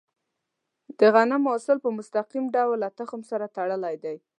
د غنمو حاصل په مستقیم ډول له تخم سره تړلی دی.